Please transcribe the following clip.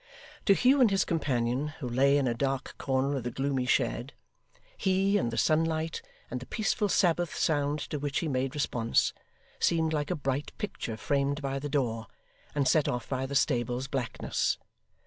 To Hugh and his companion, who lay in a dark corner of the gloomy shed, he, and the sunlight, and the peaceful Sabbath sound to which he made response, seemed like a bright picture framed by the door, and set off by the stable's blackness.